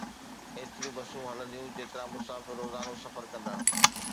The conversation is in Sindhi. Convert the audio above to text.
ايتريون بسون هلنديون، جيترا مسافر روزانو سفر ڪندا.